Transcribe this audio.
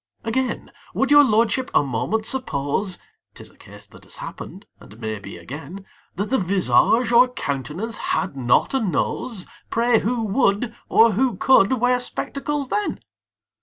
Again, would your lordship a moment suppose ('Tis a case that has happened, and may be again) That the visage or countenance had not a nose, Pray who would, or who could, wear spectacles then!